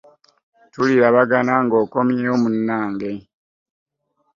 Tulirabagana ng'okumyeewo munange.